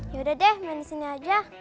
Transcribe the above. ya udah deh main di sini aja